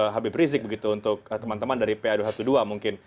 habib rizik begitu untuk teman teman dari pa dua ratus dua belas mungkin